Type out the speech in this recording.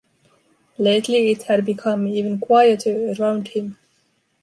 Lately it had become even quieter around him.